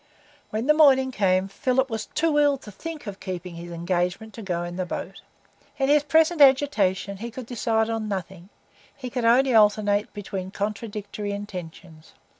When the morning came, Philip was too ill to think of keeping his engagement to go in the boat. In his present agitation he could decide on nothing; he could only alternate between contradictory intentions.